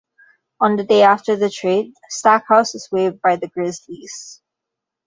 On the day after the trade, Stackhouse was waived by the Grizzlies.